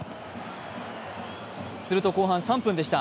すると後半３分でした。